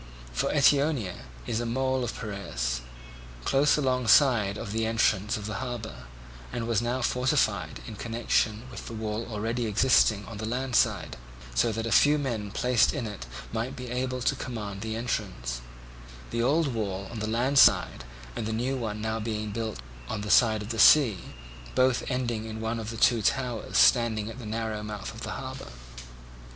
For Eetionia is a mole of Piraeus, close alongside of the entrance of the harbour, and was now fortified in connection with the wall already existing on the land side, so that a few men placed in it might be able to command the entrance; the old wall on the land side and the new one now being built within on the side of the sea, both ending in one of the two towers standing at the narrow mouth of the harbour.